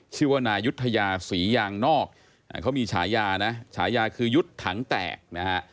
ชื่อว่านายุทธยาศรียางนอกเขามีฉายานะฉายาคือยุทธ์ถังแตกนะฮะ